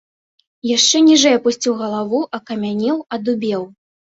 Яшчэ ніжэй апусціў галаву, акамянеў, адубеў.